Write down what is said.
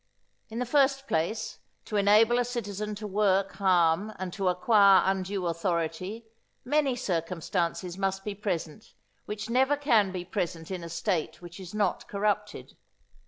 In the first place, to enable a citizen to work harm and to acquire undue authority, many circumstances must be present which never can be present in a State which is not corrupted.